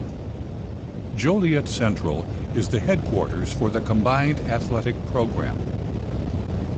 Joliet Central is the headquarters for the combined athletic program.